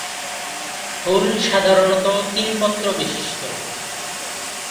ফুল সাধারনত তিন পত্র বিশিষ্ট।